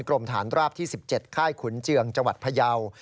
กรมฐานราบที่๑๗ค่ายขุนเจืองจังหวัดพยาว